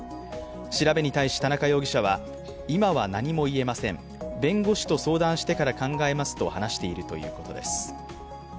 調べに対し田中容疑者は、今は何も言えません弁護士と相談してから考えますと話しているということです。